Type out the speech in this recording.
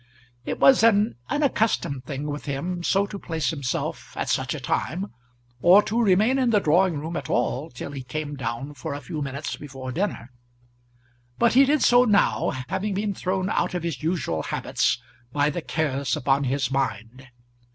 It was an unaccustomed thing with him so to place himself at such a time, or to remain in the drawing room at all till he came down for a few minutes before dinner; but he did so now, having been thrown out of his usual habits by the cares upon his mind.